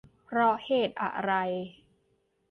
เพราะเหตุอะไร